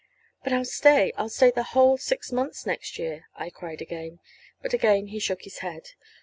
"But I'll stay I'll stay the whole six months next year!" I cried again. But again he shook his head.